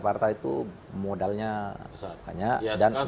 partai itu modalnya banyak